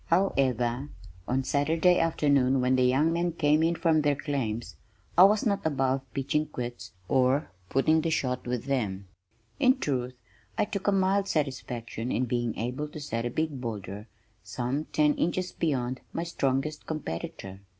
However, on Saturday afternoon when the young men came in from their claims, I was not above pitching quoits or "putting the shot" with them in truth I took a mild satisfaction in being able to set a big boulder some ten inches beyond my strongest competitor.